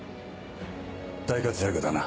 大活躍だな。